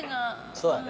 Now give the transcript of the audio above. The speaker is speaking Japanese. そうだね。